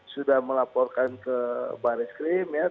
sudah melaporkan ke baris krim ya